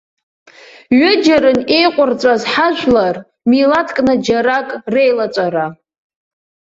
Ҩыџьаран еиҟәырҵәаз ҳажәлар милаҭкны џьарак реилаҵәара!